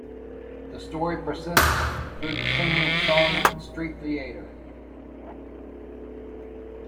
The story persists through the singing of songs and street theatre.